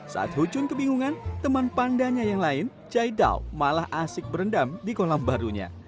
saat huchun kebingungan teman pandanya yang lain jaidaw malah asik berendam di kolam barunya